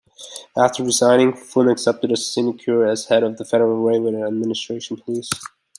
After resigning, Flynn accepted a sinecure as head of the Federal Railway Administration Police.